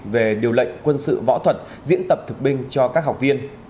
về điều lệnh quân sự võ thuật diễn tập thực binh cho các học viên